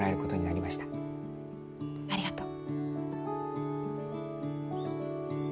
ありがとう。